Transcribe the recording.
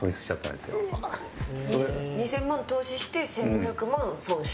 ２０００万投資して１５００万損した？